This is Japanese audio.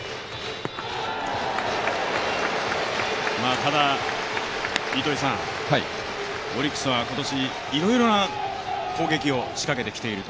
ただオリックスは今年、いろいろな攻撃を仕掛けてきていると。